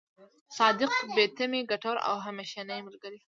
صادق، بې تمې، ګټور او همېشنۍ ملګری.